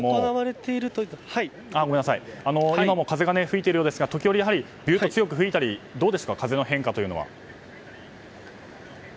今も風が吹いているようですが時折、強く吹いたりどうですか、風の変化というのは。